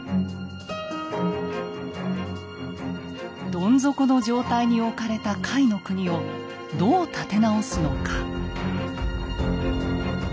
どん底の状態に置かれた甲斐国をどう立て直すのか。